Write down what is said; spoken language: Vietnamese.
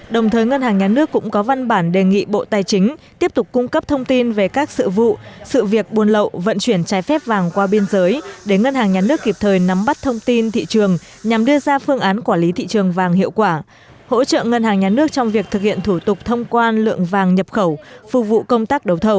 đồng thời ngân hàng nhà nước cũng có văn bản đề nghị bộ tài chính tiếp tục cung cấp thông tin về các sự vụ sự việc buôn lậu vận chuyển trái phép vàng qua biên giới để ngân hàng nhà nước kịp thời nắm bắt thông tin thị trường nhằm đưa ra phương án quản lý thị trường vàng hiệu quả hỗ trợ ngân hàng nhà nước trong việc thực hiện thủ tục thông quan lượng vàng nhập khẩu phục vụ công tác đấu thầu